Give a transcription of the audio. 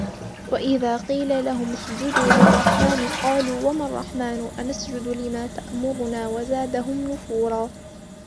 وإذا قيل لهم اسجدوا للرحمن قالوا وما الرحمن أنسجد لما تأمرنا وزادهم نفورا